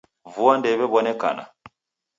Vua ndeiwewonekana.